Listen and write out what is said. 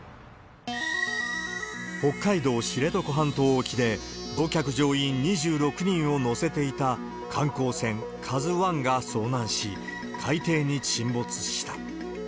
北海道知床半島沖で、乗客・乗員２６人を乗せていた観光船、ＫＡＺＵＩが遭難し、海底に沈没した。